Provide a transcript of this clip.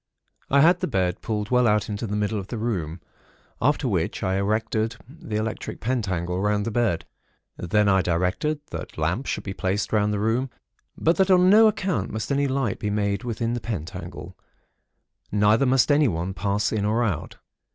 I had the bed pulled well out into the middle of the room; after which I erected the electric pentacle round the bed. Then I directed that lamps should be placed round the room, but that on no account must any light be made within the pentacle, neither must anyone pass in or out.